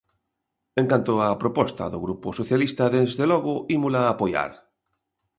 En canto á proposta do Grupo Socialista, desde logo, ímola apoiar.